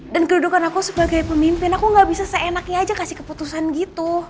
dan kedudukan aku sebagai pemimpin aku gak bisa seenaknya aja kasih keputusan gitu